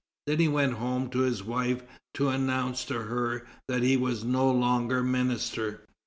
Then he went home to his wife to announce to her that he was no longer minister.